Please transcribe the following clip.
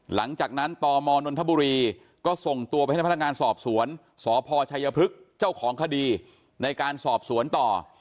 หลังจากนั้นตมนนทบุรีก็ส่งตัวไปให้พนักงานสอบสวนสพชัยพฤกษ์เจ้าของคดีในการสอบสวนต่อ